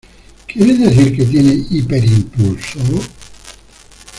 ¿ Quieres decir que tiene hiperimpulso?